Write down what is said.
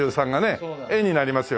絵になりますよね。